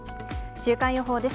週間予報です。